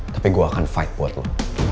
tapi gue akan fight buat lo